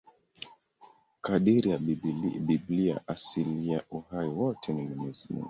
Kadiri ya Biblia, asili ya uhai wote ni Mwenyezi Mungu.